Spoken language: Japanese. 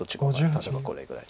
例えばこれぐらい。